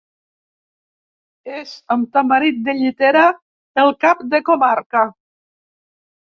És, amb Tamarit de Llitera, el cap de comarca.